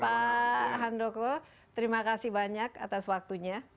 pak handoko terima kasih banyak atas waktunya